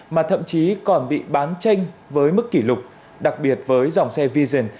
mà thậm chí còn bị bán tranh với mức kỷ lục đặc biệt với dòng xe vision